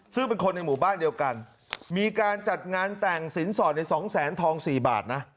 ซึ่งเป็นคนในหมู่บ้านเดียวกันมีการจัดงานแต่งสินสอดในสองแสนทอง๔บาทนะ